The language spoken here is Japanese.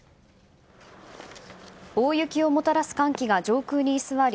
大雪をもたらす寒気が上空に居座り